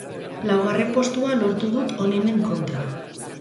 Laugarren postua lortu dut onenen kontra.